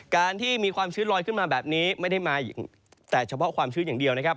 การที่มีความชื้นลอยขึ้นมาแบบนี้ไม่ได้มาแต่เฉพาะความชื้นอย่างเดียวนะครับ